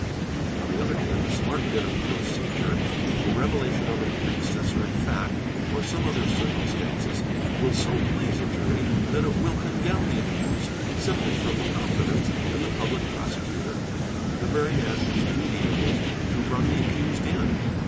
On the other hand a smart bit of procedure, the velation of an accessory fact, or some other circumstance, will so please "jury that it will condemn the accused simply from confidence in the > Public Prosecutor, the very man whose duty it is ''to run the accused in."